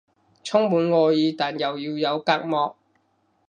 充滿愛意但又要有隔膜